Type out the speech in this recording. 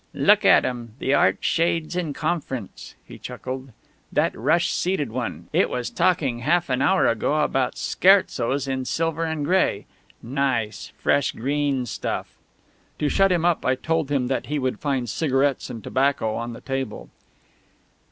"Look at 'em the Art Shades in conference!" he chuckled. "That rush seated one, it was talking half an hour ago about 'Scherzos in Silver and Grey!' ... Nice, fresh green stuff!" To shut him up I told him that he would find cigarettes and tobacco on the table.